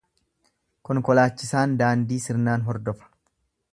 Konkolaachisaan daandii sirnaan hordofa.